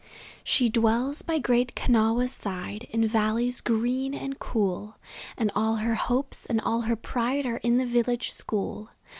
She dwells by Great Kenhawa's side, In valleys green and cool; And all her hope and all her pride Are in the village school.